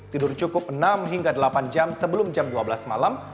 tidur cukup enam hingga delapan jam sebelum jam dua belas malam